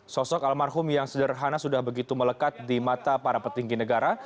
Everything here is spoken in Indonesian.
sosok almarhum yang sederhana sudah begitu melekat di mata para petinggi negara